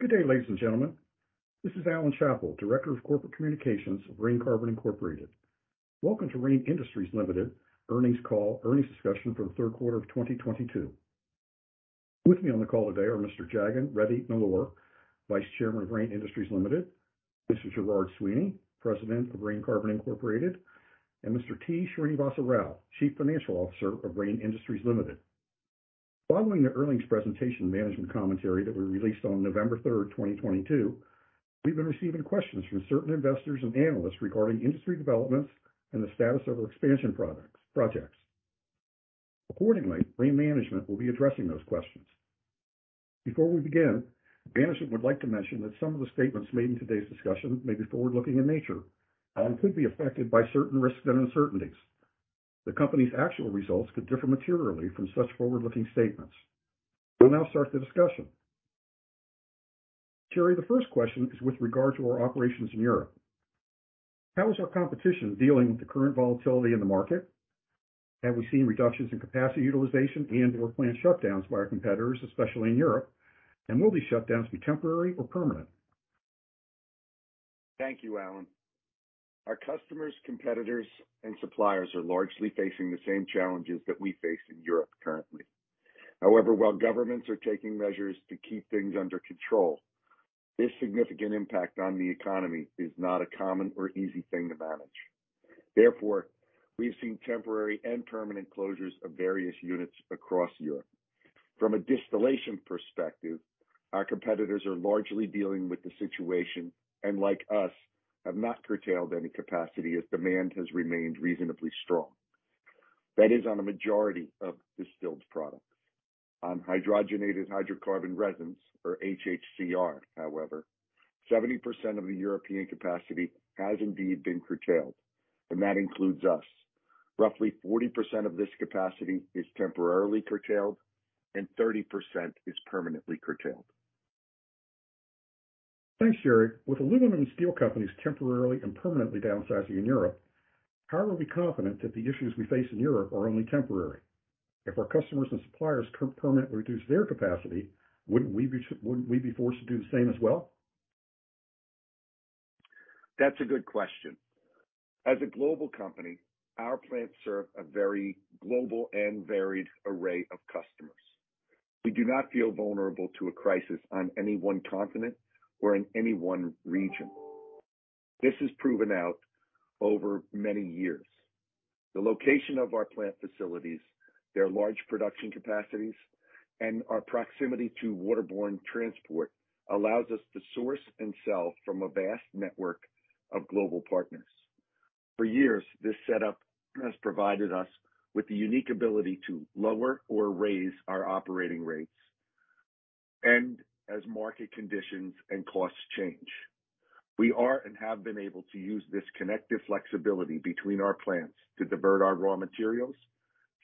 Good day, ladies and gentlemen. This is Alan Chapple, Director of Corporate Communications of Rain Carbon Inc. Welcome to Rain Industries Limited earnings call, earnings discussion for the third quarter of 2022. With me on the call today are Mr. Jagan Mohan Reddy Nellore, Vice Chairman of Rain Industries Limited. Mr. Gerard Sweeney, President of Rain Carbon Inc., and Mr. T. Srinivasa Rao, Chief Financial Officer of Rain Industries Limited. Following the earnings presentation management commentary that we released on November 3, 2022, we've been receiving questions from certain investors and analysts regarding industry developments and the status of our expansion projects. Accordingly, Rain management will be addressing those questions. Before we begin, management would like to mention that some of the statements made in today's discussion may be forward-looking in nature and could be affected by certain risks and uncertainties. The company's actual results could differ materially from such forward-looking statements. We'll now start the discussion. Gerry, the first question is with regard to our operations in Europe. How is our competition dealing with the current volatility in the market? Have we seen reductions in capacity utilization and/or plant shutdowns by our competitors, especially in Europe? And will these shutdowns be temporary or permanent? Thank you, Alan. Our customers, competitors, and suppliers are largely facing the same challenges that we face in Europe currently. However, while governments are taking measures to keep things under control, this significant impact on the economy is not a common or easy thing to manage. Therefore, we've seen temporary and permanent closures of various units across Europe. From a distillation perspective, our competitors are largely dealing with the situation, and like us, have not curtailed any capacity as demand has remained reasonably strong. That is on a majority of distilled products. On Hydrogenated Hydrocarbon Resins or HHCR, however, 70% of the European capacity has indeed been curtailed, and that includes us. Roughly 40% of this capacity is temporarily curtailed and 30% is permanently curtailed. Thanks, Gerry. With aluminum and steel companies temporarily and permanently downsizing in Europe, how are we confident that the issues we face in Europe are only temporary? If our customers and suppliers permanently reduce their capacity, wouldn't we be forced to do the same as well? That's a good question. As a global company, our plants serve a very global and varied array of customers. We do not feel vulnerable to a crisis on any one continent or in any one region. This is proven out over many years. The location of our plant facilities, their large production capacities, and our proximity to waterborne transport allows us to source and sell from a vast network of global partners. For years, this setup has provided us with the unique ability to lower or raise our operating rates, and as market conditions and costs change. We are and have been able to use this connective flexibility between our plants to divert our raw materials,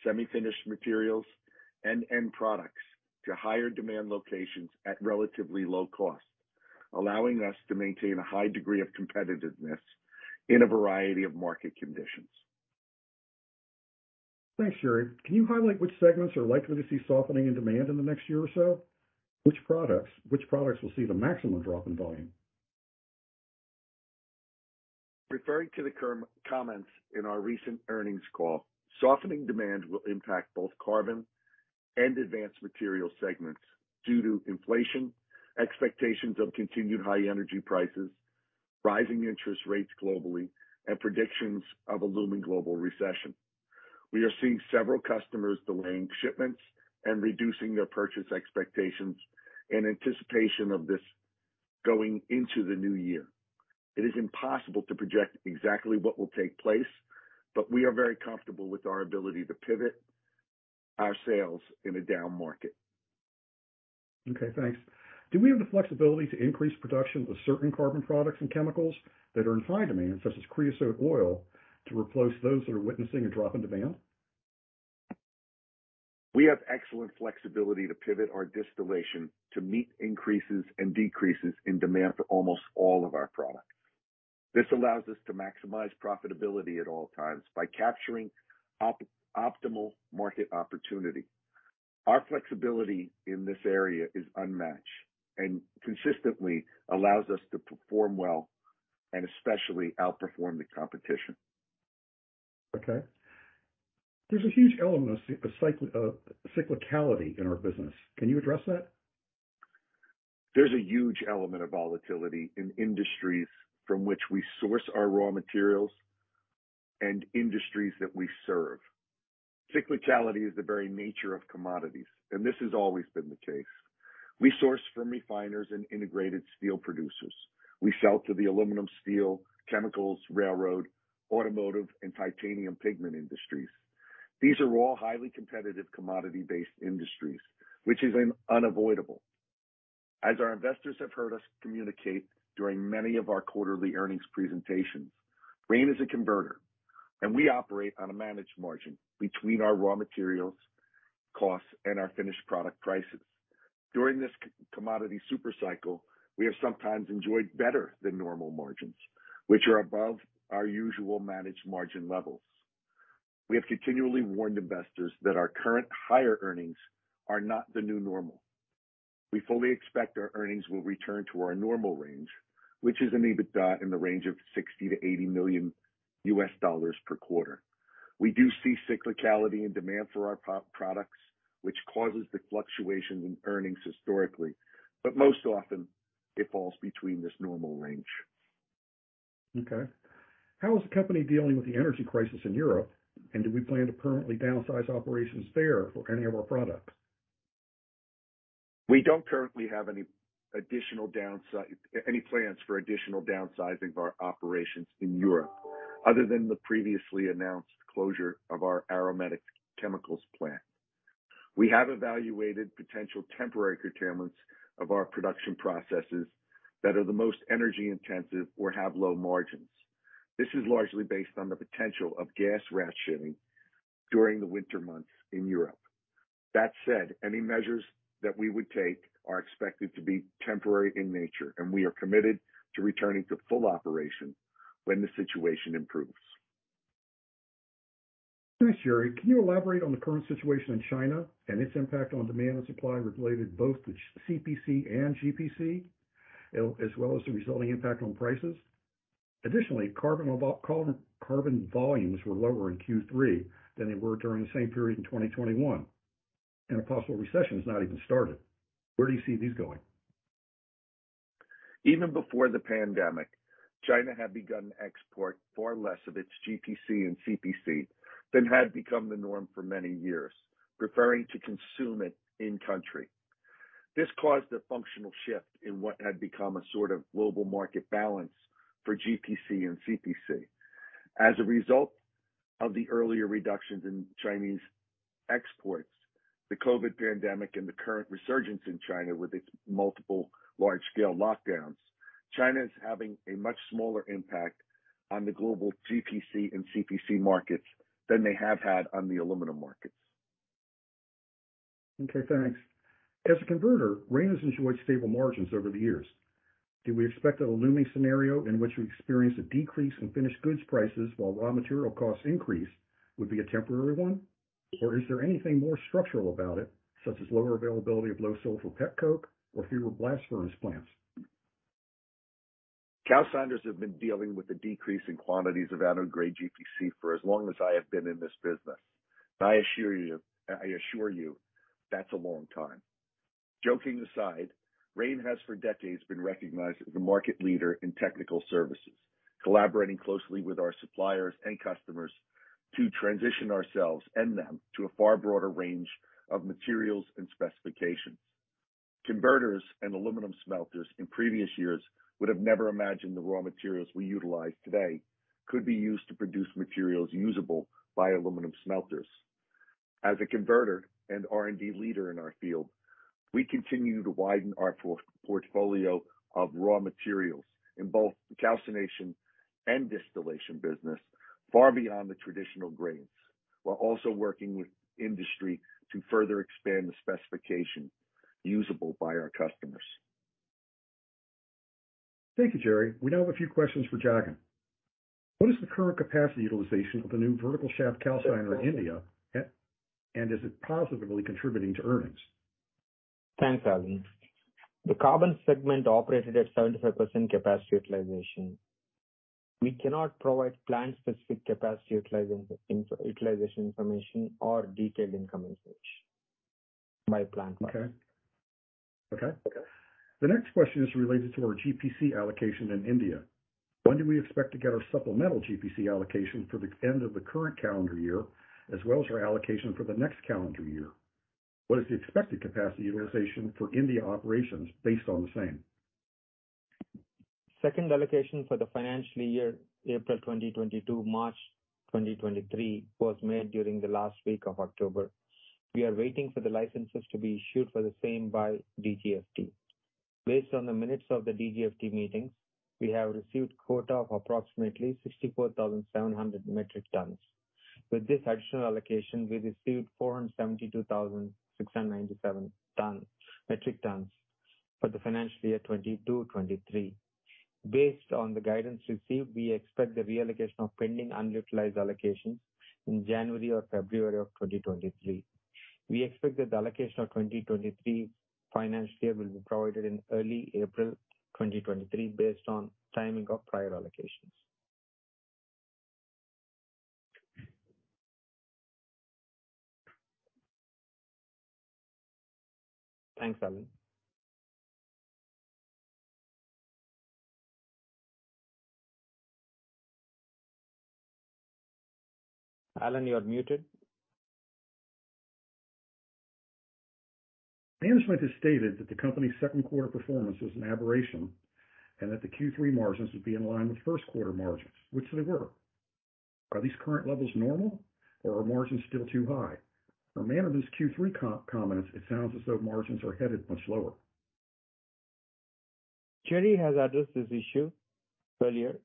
semi-finished materials, and end products to higher demand locations at relatively low cost, allowing us to maintain a high degree of competitiveness in a variety of market conditions. Thanks, Gerry. Can you highlight which segments are likely to see softening in demand in the next year or so? Which products will see the maximum drop in volume? Referring to the comments in our recent earnings call, softening demand will impact both Carbon and Advanced Materials segments due to inflation, expectations of continued high energy prices, rising interest rates globally, and predictions of a looming global recession. We are seeing several customers delaying shipments and reducing their purchase expectations in anticipation of this going into the new year. It is impossible to project exactly what will take place, but we are very comfortable with our ability to pivot our sales in a down market. Okay, thanks. Do we have the flexibility to increase production of certain carbon products and chemicals that are in high demand, such as creosote oil, to replace those that are witnessing a drop in demand? We have excellent flexibility to pivot our distillation to meet increases and decreases in demand for almost all of our products. This allows us to maximize profitability at all times by capturing optimal market opportunity. Our flexibility in this area is unmatched and consistently allows us to perform well and especially outperform the competition. Okay. There's a huge element of cyclicality in our business. Can you address that? There's a huge element of volatility in industries from which we source our raw materials and industries that we serve. Cyclicality is the very nature of commodities, and this has always been the case. We source from refiners and integrated steel producers. We sell to the aluminum, steel, chemicals, railroad, automotive, and titanium pigment industries. These are all highly competitive commodity-based industries, which is an unavoidable. As our investors have heard us communicate during many of our quarterly earnings presentations, Rain is a converter, and we operate on a managed margin between our raw materials costs and our finished product prices. During this commodity super cycle, we have sometimes enjoyed better than normal margins, which are above our usual managed margin levels. We have continually warned investors that our current higher earnings are not the new normal. We fully expect our earnings will return to our normal range, which is an EBITDA in the range of $60 million-$80 million per quarter. We do see cyclicality in demand for our products, which causes the fluctuations in earnings historically, but most often it falls between this normal range. Okay. How is the company dealing with the energy crisis in Europe? And do we plan to permanently downsize operations there for any of our products? We don't currently have any plans for additional downsizing of our operations in Europe other than the previously announced closure of our aromatic chemicals plant. We have evaluated potential temporary curtailments of our production processes that are the most energy-intensive or have low margins. This is largely based on the potential of gas rationing during the winter months in Europe. That said, any measures that we would take are expected to be temporary in nature, and we are committed to returning to full operation when the situation improves. Thanks, Gerry. Can you elaborate on the current situation in China and its impact on demand and supply related both to CPC and GPC, as well as the resulting impact on prices? Additionally, carbon volumes were lower in Q3 than they were during the same period in 2021, and a possible recession has not even started. Where do you see these going? Even before the pandemic, China had begun to export far less of its GPC and CPC than had become the norm for many years, preferring to consume it in country. This caused a functional shift in what had become a sort of global market balance for GPC and CPC. As a result of the earlier reductions in Chinese exports, the COVID pandemic and the current resurgence in China with its multiple large-scale lockdowns, China is having a much smaller impact on the global GPC and CPC markets than they have had on the aluminum markets. Okay, thanks. As a converter, Rain has enjoyed stable margins over the years. Do we expect a looming scenario in which we experience a decrease in finished goods prices while raw material costs increase would be a temporary one? Or is there anything more structural about it, such as lower availability of low-sulfur petcoke or fewer blast furnace plants? Calciners have been dealing with the decrease in quantities of anode-grade GPC for as long as I have been in this business. I assure you, that's a long time. Joking aside, Rain has for decades been recognized as the market leader in technical services, collaborating closely with our suppliers and customers to transition ourselves and them to a far broader range of materials and specifications. Converters and aluminum smelters in previous years would have never imagined the raw materials we utilize today could be used to produce materials usable by aluminum smelters. As a converter and R&D leader in our field, we continue to widen our portfolio of raw materials in both the calcination and distillation business far beyond the traditional grades, while also working with industry to further expand the specification usable by our customers. Thank you, Gerry. We now have a few questions for Jagan. What is the current capacity utilization of the new vertical shaft calciner in India? And is it positively contributing to earnings? Thanks, Alan. The carbon segment operated at 75% capacity utilization. We cannot provide plant-specific capacity utilization information or detailed income information by plant. Okay. The next question is related to our GPC allocation in India. When do we expect to get our supplemental GPC allocation for the end of the current calendar year, as well as our allocation for the next calendar year? What is the expected capacity utilization for India operations based on the same? Second allocation for the financial year April 2022, March 2023 was made during the last week of October. We are waiting for the licenses to be issued for the same by DGFT. Based on the minutes of the DGFT meetings, we have received quota of approximately 64,700 metric tons. With this additional allocation, we received 472,697 metric tons for the financial year 2022, 2023. Based on the guidance received, we expect the reallocation of pending unutilized allocations in January or February of 2023. We expect that the allocation of 2023 financial year will be provided in early April 2023 based on timing of prior allocations. Thanks, Alan. Alan, you are muted. Management has stated that the company's second quarter performance was an aberration and that the Q3 margins would be in line with first quarter margins, which they were. Are these current levels normal or are margins still too high? From management's Q3 call comments, it sounds as though margins are headed much lower. Gerry has addressed this issue earlier.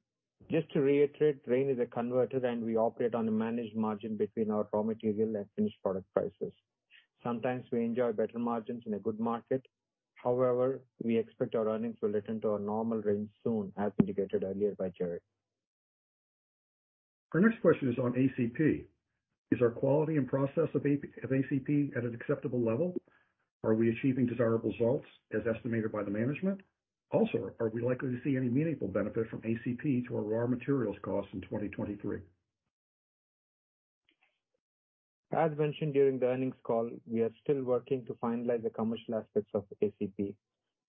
Just to reiterate, Rain is a converter, and we operate on a managed margin between our raw material and finished product prices. Sometimes we enjoy better margins in a good market. However, we expect our earnings will return to our normal range soon, as indicated earlier by Gerry. Our next question is on ACP. Is our quality and process of ACP at an acceptable level? Are we achieving desirable results as estimated by the management? Also, are we likely to see any meaningful benefit from ACP to our raw materials costs in 2023? As mentioned during the earnings call, we are still working to finalize the commercial aspects of ACP.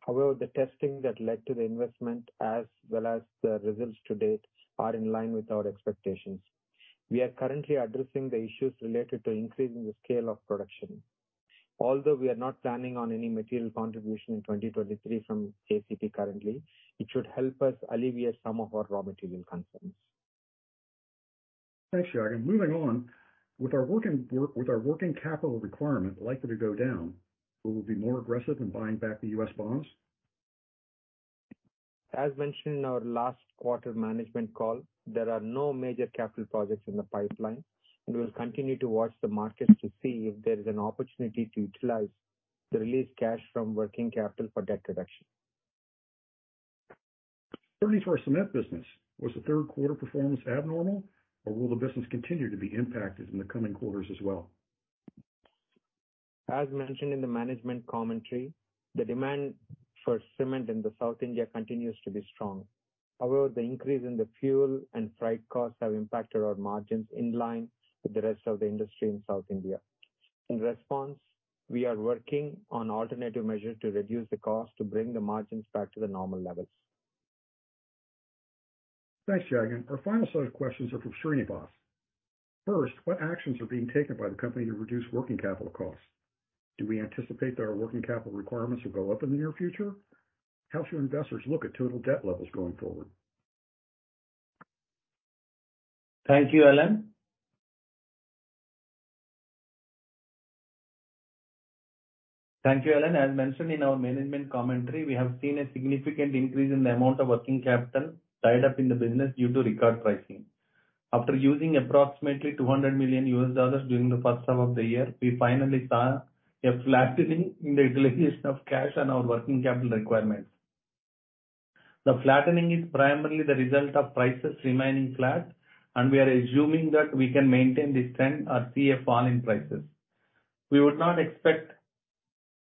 However, the testing that led to the investment, as well as the results to date, are in line with our expectations. We are currently addressing the issues related to increasing the scale of production. Although we are not planning on any material contribution in 2023 from ACP currently, it should help us alleviate some of our raw material concerns. Thanks, Jagan. Moving on. With our working capital requirement likely to go down, we will be more aggressive in buying back the U.S. bonds. As mentioned in our last quarter management call, there are no major capital projects in the pipeline, and we'll continue to watch the markets to see if there is an opportunity to utilize the released cash from working capital for debt reduction. Turning to our cement business, was the third quarter performance abnormal, or will the business continue to be impacted in the coming quarters as well? As mentioned in the management commentary, the demand for cement in the South India continues to be strong. However, the increase in the fuel and freight costs have impacted our margins in line with the rest of the industry in South India. In response, we are working on alternative measures to reduce the cost to bring the margins back to the normal levels. Thanks, Jagan. Our final set of questions are from Srinivas. First, what actions are being taken by the company to reduce working capital costs? Do we anticipate that our working capital requirements will go up in the near future? How should investors look at total debt levels going forward? Thank you, Alan. As mentioned in our management commentary, we have seen a significant increase in the amount of working capital tied up in the business due to record pricing. After using approximately $200 million during the first half of the year, we finally saw a flattening in the utilization of cash and our working capital requirements. The flattening is primarily the result of prices remaining flat, and we are assuming that we can maintain this trend or see a fall in prices. We would not expect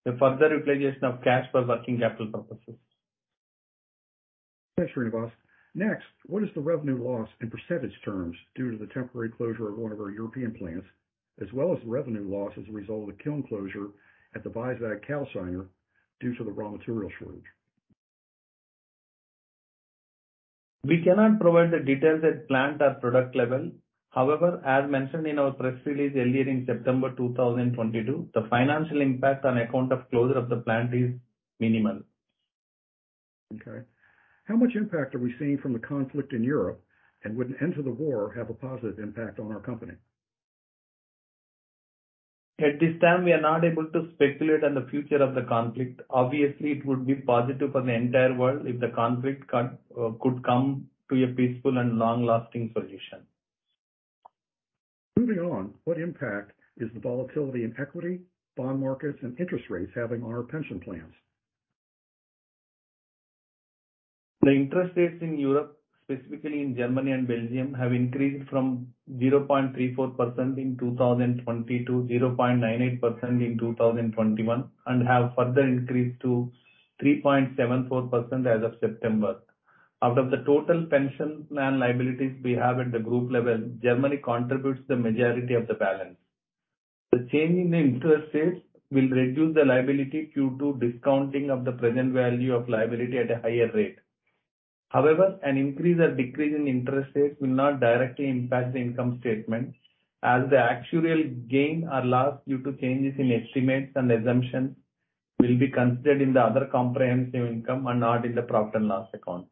a further utilization of cash for working capital purposes. Thanks, Srinivas. Next, what is the revenue loss in percentage terms due to the temporary closure of one of our European plants, as well as revenue loss as a result of the kiln closure at the Weisweiler Kalksandstein due to the raw material shortage? We cannot provide the details at plant or product level. However, as mentioned in our press release earlier in September 2022, the financial impact on account of closure of the plant is minimal. Okay. How much impact are we seeing from the conflict in Europe? And would an end to the war have a positive impact on our company? At this time, we are not able to speculate on the future of the conflict. Obviously, it would be positive for the entire world if the conflict could come to a peaceful and long-lasting solution. Moving on, what impact is the volatility in equity, bond markets, and interest rates having on our pension plans? The interest rates in Europe, specifically in Germany and Belgium, have increased from 0.34% in 2020 to 0.98% in 2021 and have further increased to 3.74% as of September. Out of the total pension plan liabilities we have at the group level, Germany contributes the majority of the balance. The change in the interest rates will reduce the liability due to discounting of the present value of liability at a higher rate. However, an increase or decrease in interest rates will not directly impact the income statement, as the actuarial gain or loss due to changes in estimates and assumptions will be considered in the other comprehensive income and not in the profit and loss account.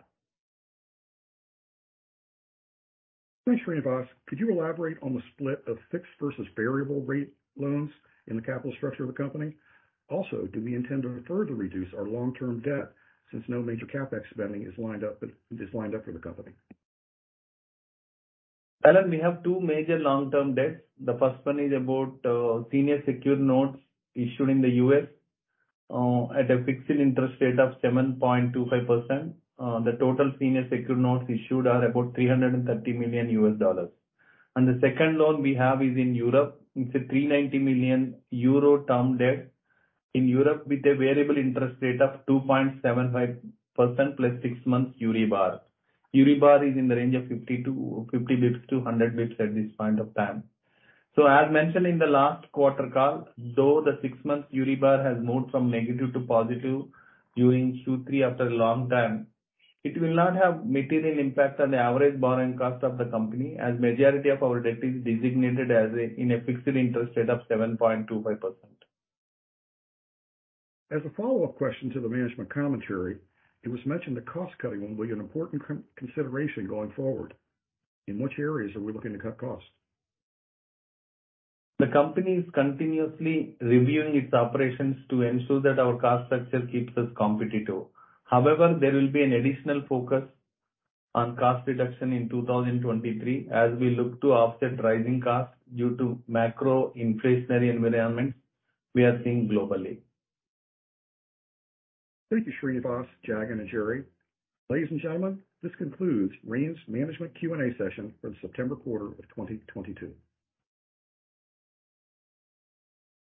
Thanks, Srinivas. Could you elaborate on the split of fixed versus variable rate loans in the capital structure of the company? Also, do we intend to further reduce our long-term debt since no major CapEx spending is lined up for the company? Alan, we have two major long-term debts. The first one is about senior secured notes issued in the U.S. at a fixed interest rate of 7.25%. The total senior secured notes issued are about $330 million. The second loan we have is in Europe. It's a 390 million euro term debt in Europe with a variable interest rate of 2.75% plus six months EURIBOR. EURIBOR is in the range of 50-100 basis points at this point of time. As mentioned in the last quarter call, though the six months EURIBOR has moved from negative to positive during Q3 after a long time, it will not have material impact on the average borrowing cost of the company, as majority of our debt is designated in a fixed interest rate of 7.25%. As a follow-up question to the management commentary, it was mentioned that cost-cutting will be an important consideration going forward. In which areas are we looking to cut costs? The company is continuously reviewing its operations to ensure that our cost structure keeps us competitive. However, there will be an additional focus on cost reduction in 2023 as we look to offset rising costs due to macro-inflationary environments we are seeing globally. Thank you, Srinivas, Jagan, and Gerry. Ladies and gentlemen, this concludes Rain's management Q&A session for the September quarter of 2022.